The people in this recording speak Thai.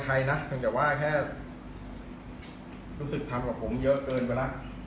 นะเพียงแต่ว่าแค่รู้สึกทำกับผมเยอะเกินไปแล้ว